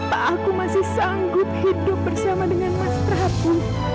apa aku masih sanggup hidup bersama dengan mas trapi